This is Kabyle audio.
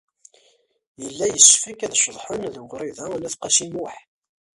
Yella yessefk ad ceḍḥen ed Wrida n At Qasi Muḥ.